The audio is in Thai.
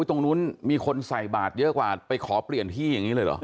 ตรงนู้นมีคนใส่บาทเยอะกว่าไปขอเปลี่ยนที่อย่างนี้เลยเหรอ